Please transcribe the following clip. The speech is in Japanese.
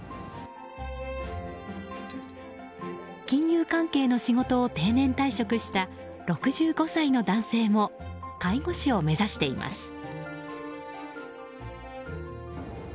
金融関係の仕事を定年退職した６５歳の男性も介護士を目指しています。